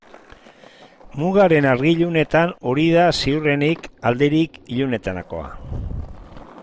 Mugaren argi-ilunetan hori da ziurrenik alderik ilunenetakoa.